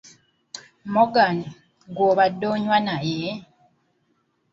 Morgan, gw'obadde onywa naye?